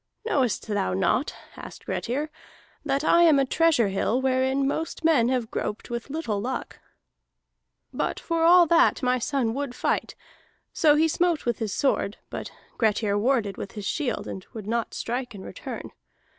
"'Knowest thou not,' asked Grettir, 'that I am a treasure hill wherein most men have groped with little luck?' "But for all that my son would fight. So he smote with his sword, but Grettir warded with his shield and would not strike in return.